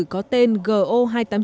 có tên go hai trăm tám mươi chín